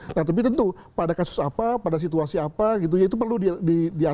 nah tapi tentu pada kasus apa pada situasi apa gitu ya itu perlu diatur